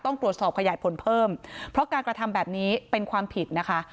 ต้องตรวจสอบขยายผลเพิ่มเพราะการกระทำแบบนี้เป็นความผิดนะคะ